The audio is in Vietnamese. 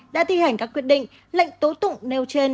đã thi hành các quyết định lệnh tố tụng nêu trên